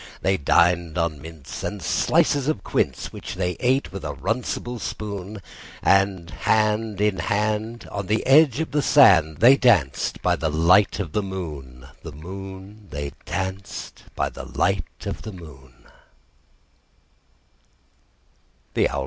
They dined on mince and slices of quince, Which they ate with a runcible spoon; And hand in hand, on the edge of the sand, They danced by the light of the moon, The moon, The moon, They danced by the light of the moon.